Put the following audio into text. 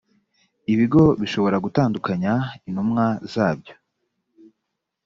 ibigo bishobora gutandukanya intumwa zabyo